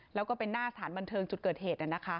แล้วก็เป็นหน้าสถานบันเทิงจุดเกิดเหตุ